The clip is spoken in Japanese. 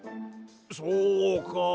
そうか。